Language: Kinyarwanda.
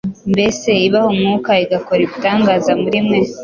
Mbese ibaha Umwuka, igakora ibitangaza muri mwe,